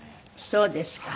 そうですか。